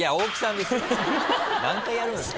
何回やるんすか。